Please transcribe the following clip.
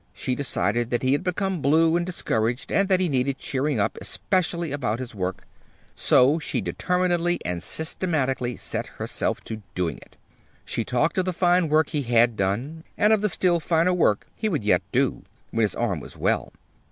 She decided that he had become blue and discouraged, and that he needed cheering up, especially about his work; so she determinedly and systematically set herself to doing it. She talked of the fine work he had done, and of the still finer work he would yet do, when his arm was well.